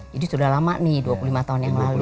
jadi sudah lama nih dua puluh lima tahun yang lalu